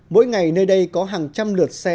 mỗi ngày nơi đây có hàng trăm lượt xe